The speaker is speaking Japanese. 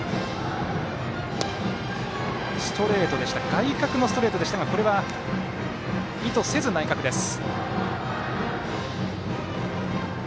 外角のストレートでしたがこれは、意図せず内角です。